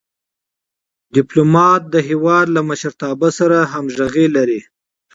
ډيپلومات د هېواد له مشرتابه سره همږغي لري.